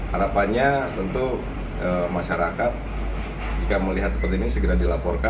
harapannya tentu masyarakat jika melihat seperti ini segera dilaporkan